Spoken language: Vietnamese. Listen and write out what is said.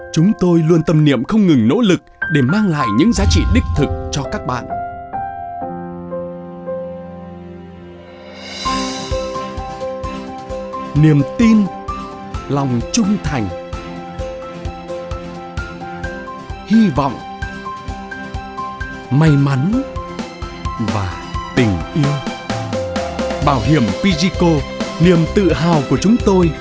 chúng tôi niềm tin của các bạn